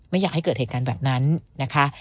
ไม่อยากให้เกิดเหตุการณ์แบบนั้นนะคะ